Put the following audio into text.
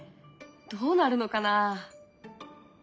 どうなるのかな？